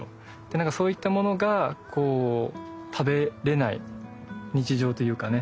なんかそういったものがこう食べれない日常というかね。